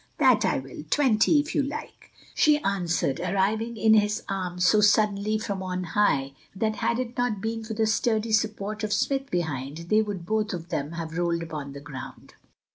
"That I will, twenty, if you like," she answered, arriving in his arms so suddenly from on high, that had it not been for the sturdy support of Smith behind, they would both of them have rolled upon the ground.